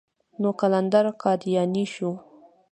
نو قلندر قادياني شو.